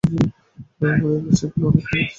আমাদের দার্শনিকগণ অনেকেই এই মত পোষণ করেন।